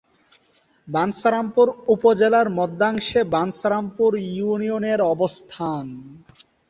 বাঞ্ছারামপুর উপজেলার মধ্যাংশে বাঞ্ছারামপুর ইউনিয়নের অবস্থান।